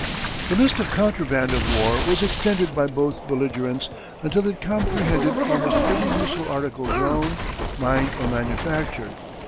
The list of contraband of war was extended by both belligerents until it comprehended almost every useful article grown, mined, or manufactured.